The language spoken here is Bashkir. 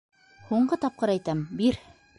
Һуңғы тапҡыр әйтәм: бир!